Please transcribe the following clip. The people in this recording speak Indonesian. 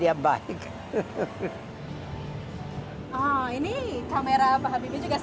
ini kamera pak habibie juga salah satu malik istri bapak